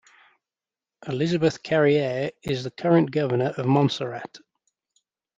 Elizabeth Carriere is the current Governor of Montserrat.